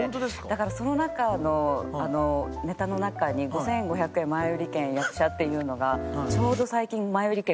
だからその中のネタの中に「５５００円前売り券役者」っていうのがちょうど最近。